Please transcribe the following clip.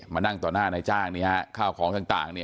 มานั่งต่อหน้าในจ้างเนี้ยฮะข้าวของต่างต่างเนี้ย